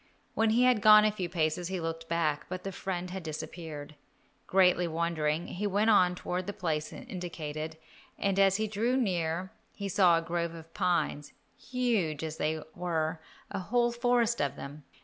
When he had gone a few paces he looked back, but the friend had disappeared. Greatly wondering, he went on toward the place indicated, and as he drew near he saw a grove of pines, huge trees they were, a whole forest of them.